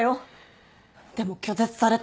でも拒絶されて。